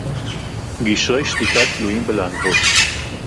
גִּשְׁרֵי שְׁתִיקָה תְּלוּיִים בְּלֶהָבוֹת.